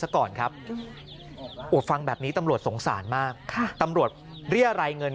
ก่อนครับโอ้ฟังแบบนี้ตำรวจสงสารมากค่ะตำรวจเรียรายเงิน